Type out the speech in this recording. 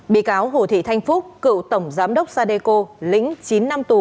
bị cáo hồ thị thanh phúc cựu tổng giám đốc sadeco lĩnh chín năm tù